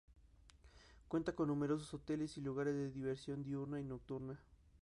Cuenta con numerosos hoteles y lugares de diversión diurna y nocturna.